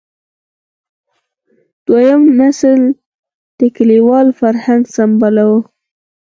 دویم نسل د کلیوال فرهنګ سمبال و.